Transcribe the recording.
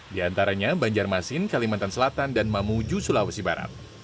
di antaranya banjarmasin kalimantan selatan dan mamuju sulawesi barat